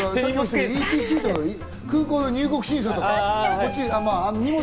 ＥＴＣとか空港の入国審査とかも。